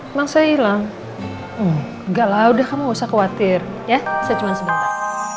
emang saya hilang enggak lah udah kamu gak usah khawatir ya saya cuma sebentar